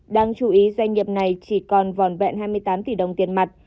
đáng chú ý doanh nghiệp này chỉ còn vòn bẹn hai mươi tám tỷ đồng tiền mặt